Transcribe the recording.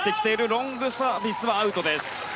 ロングサービス、アウトです。